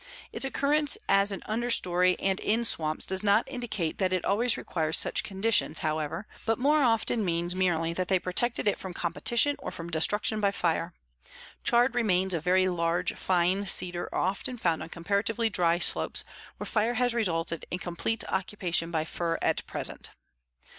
Its occurrence as an under story and in swamps does not indicate that it always requires such conditions, however, but more often means merely that they protected it from competition or from destruction by fire. Charred remains of very large, fine cedar are often found on comparatively dry slopes where fire has resulted in complete occupation by fir at present.